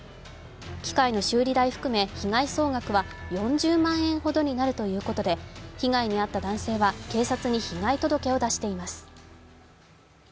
機械の修理代含め被害総額は４０万円ほどになるということで被害に遭った男性は警察に被害届を出しています。